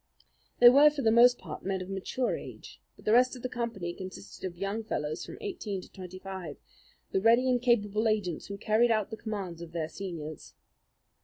They were, for the most part, men of mature age; but the rest of the company consisted of young fellows from eighteen to twenty five, the ready and capable agents who carried out the commands of their seniors.